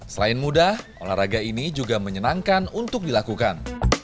selain mudah olahraga ini juga menyenangkan untuk dilakukan